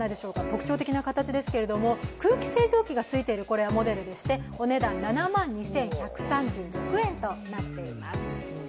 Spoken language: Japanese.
特徴的な形ですけれども、空気清浄機がついているモデルでお値段７万２１３６円となっています。